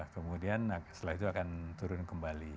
kemudian setelah itu akan turun kembali